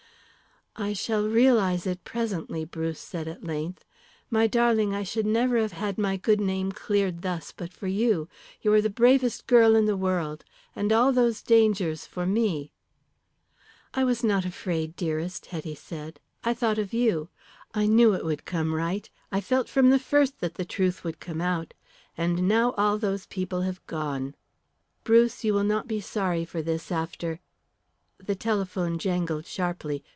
"I shall realise it presently," Bruce said at length. "My darling, I should never have had my good name cleared thus but for you. You are the bravest girl in the world. And all those dangers for me!" "I was not afraid, dearest," Hetty said. "I thought of you. I knew it would come right. I felt from the first that the truth would come out. And now all those people have gone. Bruce, you will not be sorry for this after " The telephone jangled sharply.